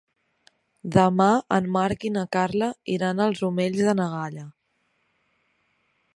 Demà en Marc i na Carla iran als Omells de na Gaia.